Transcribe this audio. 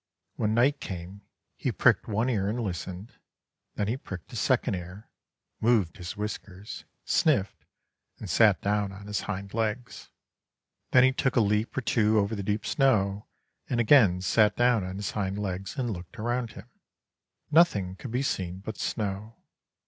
When night came, he pricked one ear and listened ; then he pricked his second ear, moved his whiskers, sniffed, and sat down on his hind legs. Then he took a leap or two over the deep snow, and again sat down on his hind legs, and looked around him. Nothing could be seen but snow.